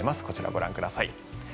こちらをご覧ください。